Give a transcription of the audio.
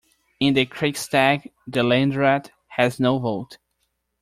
In the Kreistag, the Landrat has no vote.